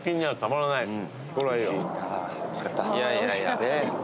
はい。